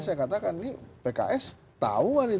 saya katakan ini pks tahuan ini